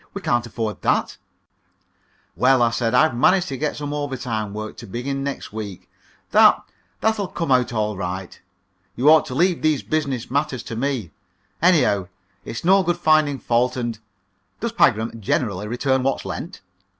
We can't afford that." "Well, well," I said; "I've managed to get some overtime work, to begin next week. That that'll come out all right. You ought to leave these business matters to me. Anyhow, it's no good finding fault, and " "Does Pagram generally return what's lent?"